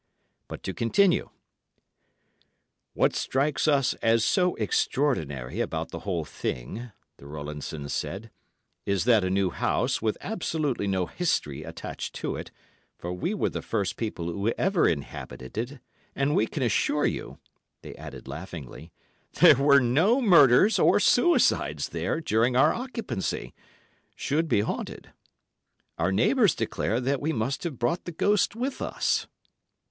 But to continue: "What strikes us as so extraordinary about the whole thing," the Rowlandsons said, "is that a new house, with absolutely no history attached to it, for we were the first people who ever inhabited it, and we can assure you," they added laughingly, "there were no murders or suicides there during our occupancy, should be haunted. Our neighbours declare that we must have brought the ghost with us."